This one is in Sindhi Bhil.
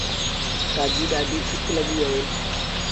تآجي ڏآڍيٚ سڪ لڳيٚ اهي۔